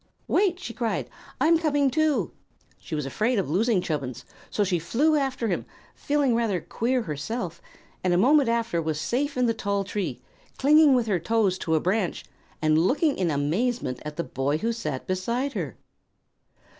"Wait!" she cried. "I'm coming, too!" She was afraid of losing Chubbins, so she flew after him, feeling rather queer herself, and a moment after was safe in the tall tree, clinging with her toes to a branch and looking in amazement at the boy who sat beside her.